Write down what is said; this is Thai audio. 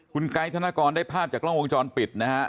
คุณไกด์ธนกรได้ภาพจากกล้องวงจรปิดนะฮะ